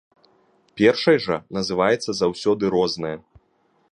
Першай жа называецца заўсёды рознае.